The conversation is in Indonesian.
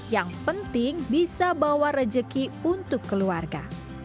yang penting bisa bawa rejeki untuk keluarga